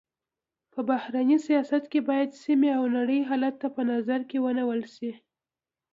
په بهرني سیاست کي باید سيمي او نړۍ حالت په نظر کي ونیول سي.